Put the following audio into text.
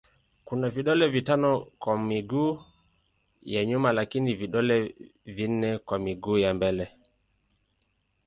Kuna vidole vitano kwa miguu ya nyuma lakini vidole vinne kwa miguu ya mbele.